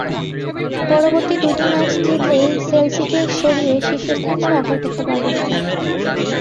পরবর্তী দুটি ম্যাচ জিতলেই চেলসিকে সরিয়ে শীর্ষস্থানটা দখল করতে পারবে তারা।